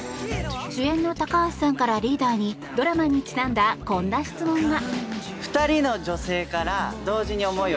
主演の高橋さんからリーダーにドラマにちなんだこんな質問が。